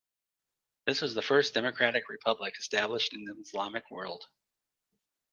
This was the first Democratic Republic established in Islamic World.